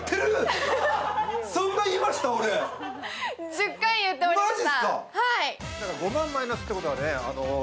１０回言っておりました。